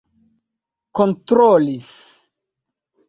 kontrolis